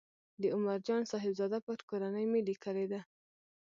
د عمر جان صاحبزاده پر کورنۍ مې لیکلې ده.